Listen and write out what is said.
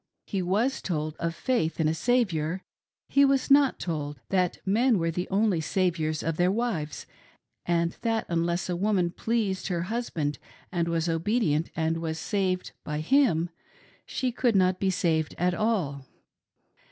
He was told of faith in a Saviour, he was not told that men were the only saviours of their wives, and that unless a woman pleased her husband and was obedient and was saved by him, she could not be saved at all.